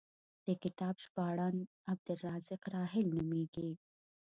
د کتاب ژباړن عبدالرزاق راحل نومېږي.